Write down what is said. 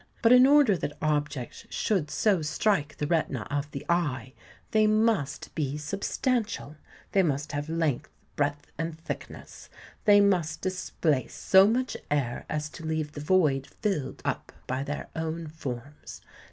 But in order that objects should so strike the retina of the eye, they must be substantial: they must have length, breadth, and thickness;—they must displace so much air as to leave the void filled up by their own forms.